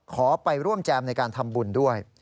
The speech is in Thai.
ขอไปร่วมแจมในการทำบุญด้วย